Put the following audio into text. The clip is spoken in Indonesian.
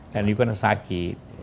dan kamu kena sakit